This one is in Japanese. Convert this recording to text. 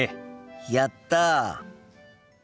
やった！